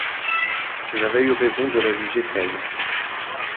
J’avais eu raison de la juger telle.